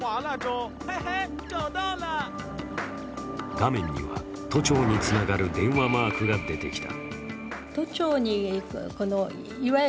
画面には、都庁につながる電話マークが出てきた。